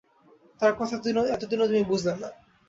তার কথা এত দিনেও তুমি বুঝলে না।